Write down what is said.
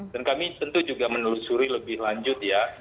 dan kami tentu juga menelusuri lebih lanjut ya